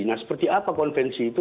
nah seperti apa konvensi itu